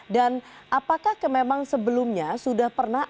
dan apakah memang sebelumnya sudah pernah